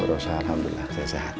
bu rosa alhamdulillah saya sehat